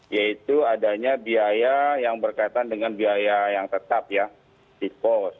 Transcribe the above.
yaitu adanya biaya yang berkaitan dengan biaya yang tetap ya di pos